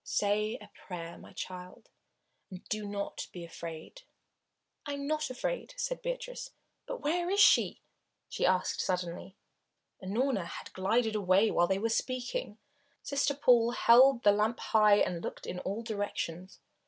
Say a prayer, my child, and do not be afraid." "I am not afraid," said Beatrice. "But where is she?" she asked suddenly. Unorna had glided away while they were speaking. Sister Paul held the lamp high and looked in all directions.